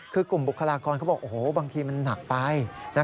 คือกลุ่มบุคลากรเขาบอกโอ้โหบางทีมันหนักไป